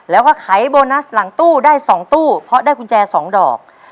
แล้วก็ไขโบนัสหลังตู้ได้๒ตู้เพราะได้กุญแจ๒ดอก